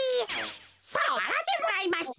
さあわらってもらいましょう。